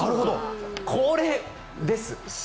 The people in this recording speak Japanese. これです。